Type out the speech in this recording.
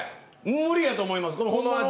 無理やと思います。